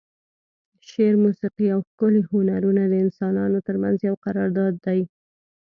شعر، موسیقي او ښکلي هنرونه د انسانانو ترمنځ یو قرارداد دی.